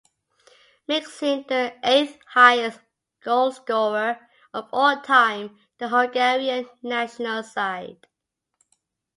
This makes him the eighth-highest goalscorer of all-time for the Hungarian national side.